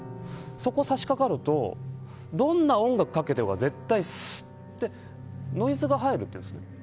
そこに差し掛かるとどんな音楽をかけていようが絶対、スッてノイズが入るって言うんです。